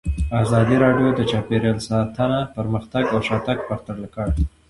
ازادي راډیو د چاپیریال ساتنه پرمختګ او شاتګ پرتله کړی.